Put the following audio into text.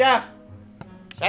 udah pas brady